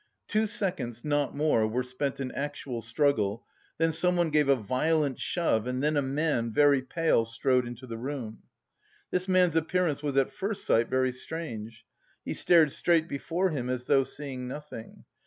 Two seconds, not more, were spent in actual struggle, then someone gave a violent shove, and then a man, very pale, strode into the room. This man's appearance was at first sight very strange. He stared straight before him, as though seeing nothing.